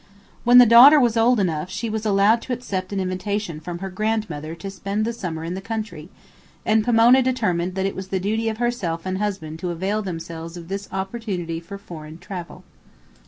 When the daughter was old enough she was allowed to accept an invitation from her grandmother to spend the summer in the country, and Pomona determined that it was the duty of herself and husband to avail themselves of this opportunity for foreign travel.